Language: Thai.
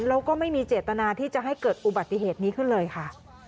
แล้วก็ไม่มีเจตนาที่จะให้เกิดอุบัติเหตุนี้ขึ้นเลยค่ะ